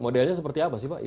modelnya seperti apa sih pak